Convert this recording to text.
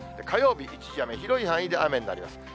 火曜日一時雨、広い範囲で雨になります。